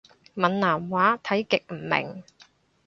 閩南話睇極唔明